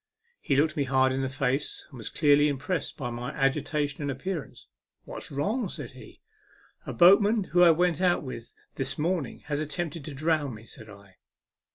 He looked me hard in the face, and was clearly impressed by my agitation and ap pearance. " What's wrong ?" said he. u A boatman whom I went out with this morning has attempted to drown me," said I.